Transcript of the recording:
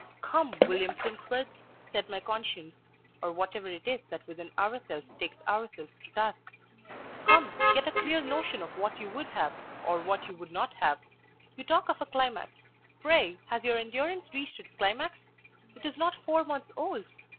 "Come, William Crimsworth," said my conscience, or whatever it is that within ourselves takes ourselves to task "come, get a clear notion of what you would have, or what you would not have. You talk of a climax; pray has your endurance reached its climax? It is not four months old.